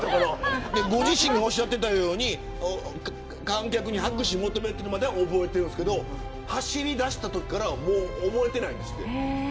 ご自身がおっしゃっていたように観客に拍手を求めたところまでは覚えてるけど走り出してからはもう覚えてないんですって。